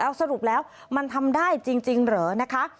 สรุปแล้วมันทำได้จริงเหรอนะคะ